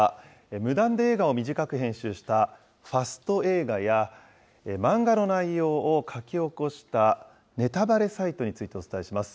無断で映画を短く編集したファスト映画や、漫画の内容を描き起こしたネタバレサイトについてお伝えします。